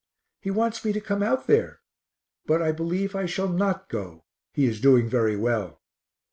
He wants me to come out there, but I believe I shall not go he is doing very well.